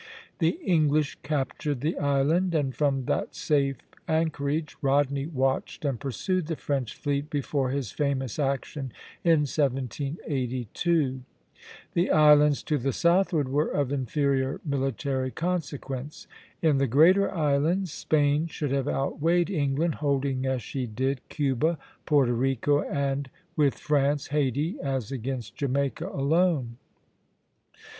The English captured the island, and from that safe anchorage Rodney watched and pursued the French fleet before his famous action in 1782. The islands to the southward were of inferior military consequence. In the greater islands, Spain should have outweighed England, holding as she did Cuba, Porto Rico, and, with France, Hayti, as against Jamaica alone.